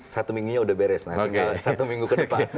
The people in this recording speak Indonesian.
satu minggunya udah beres tinggal satu minggu ke depan